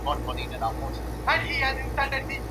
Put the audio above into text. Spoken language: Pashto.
هیڅوک نسي کولی د بل چا حق غصب کړي.